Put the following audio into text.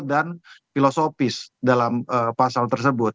dan filosofis dalam pasal tersebut